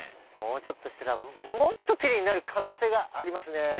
もうちょっとしたらもっとキレイになる可能性がありますね。